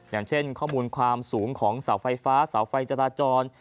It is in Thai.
อย่างเช่นข้อมูลความสูงของเสาไฟฟ้าเสาไฟจราจร